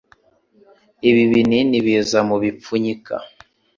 Ibi binini biza mubipfunyika.